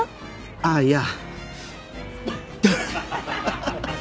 あっいや。